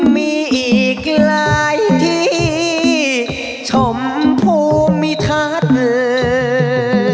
มีอีกรายที่ชมพูมิทราสเงิน